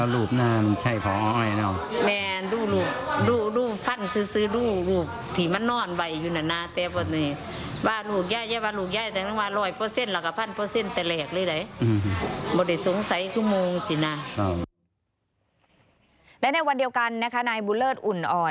และในวันเดียวกันนะคะนายบุญเลิศอุ่นอ่อน